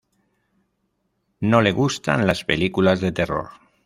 No le gustan las películas de terror.